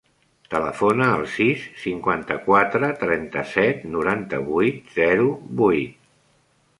Telefona al sis, cinquanta-quatre, trenta-set, noranta-vuit, zero, vuit.